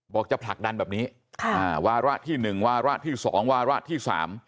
จะผลักดันแบบนี้วาระที่๑วาระที่๒วาระที่๓